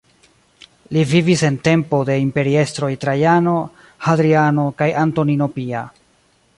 Li vivis en tempo de imperiestroj Trajano, Hadriano kaj Antonino Pia.